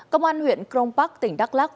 công an huyện kronpark tỉnh đắk lắc